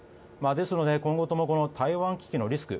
ですので、今後とも台湾危機のリスク